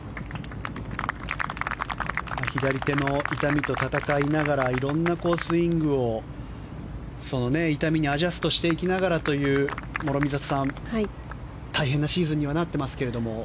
左手の痛みと闘いながらいろんなスイングを痛みにアジャストしていきながらという諸見里さん、大変なシーズンにはなっていますが。